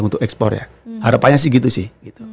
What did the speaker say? untuk ekspor ya harapannya sih gitu sih